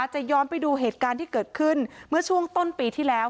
จะย้อนไปดูเหตุการณ์ที่เกิดขึ้นเมื่อช่วงต้นปีที่แล้ว